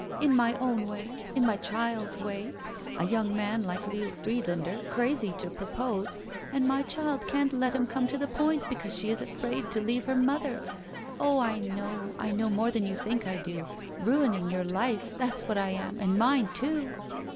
In my own way. In my child's way. A yotmg man like Leo Friedlander crazy to propose and my child can't let him come to the point because she is afraid to leave her mother. Oh, I know — I know more than you think I do. Ruining your life! That's what I am, and mine, too!"